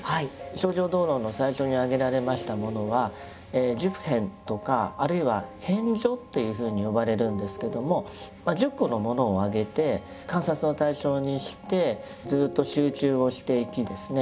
「清浄道論」の最初に挙げられましたものは「十遍」とかあるいは「遍処」というふうに呼ばれるんですけども１０個のものをあげて観察の対象にしてずっと集中をしていきですね